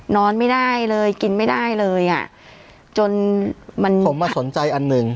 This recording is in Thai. นอนไม่ได้เลยกินไม่ได้เลยอ่ะจนมันผมมาสนใจอันหนึ่ง